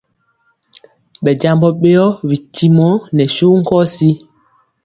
Ɓɛ jambɔ ɓeyɔ bitimɔ nɛ suwu nkɔsi.